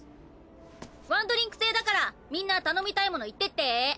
ワンドリンク制だからみんな頼みたいもの言ってって。